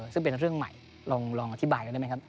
ซึ่งเป็นเรื่องใหม่ลองอธิบายกันได้ไหมครับ